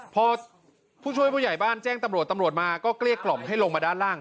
พอผู้ช่วยผู้ใหญ่บ้านแจ้งตำรวจตำรวจมาก็เกลี้ยกล่อมให้ลงมาด้านล่าง